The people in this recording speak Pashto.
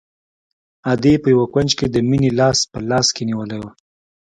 ادې په يوه کونج کښې د مينې لاس په لاس کښې نيولى.